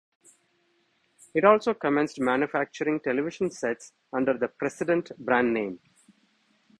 It also commenced manufacturing television sets under the Precedent brand name.